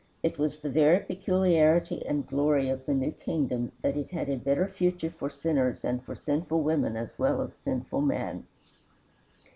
It was the very peculiarity and glory of the new kingdom that it had a better future for sinners, and for sinful woman as well as sinful man.